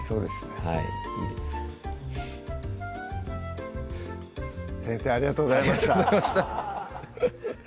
はい先生ありがとうございました